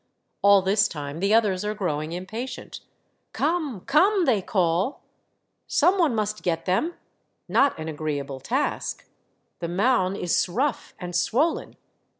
All this time the others are growing impatient. " Come, come !" they call ; some one must get them. Not an agreeable task. The Marne is rough and swollen.